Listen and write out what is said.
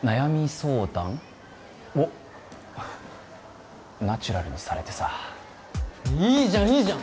相談をナチュラルにされてさいいじゃんいいじゃん！